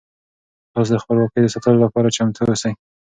تاسو د خپلواکۍ د ساتلو لپاره چمتو اوسئ.